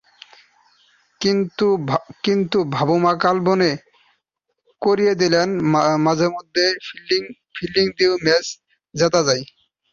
কিন্তু বাভুমা কাল মনে করিয়ে দিলেন, মাঝেমধ্যে ফিল্ডিং দিয়েও ম্যাচ জেতা যায়।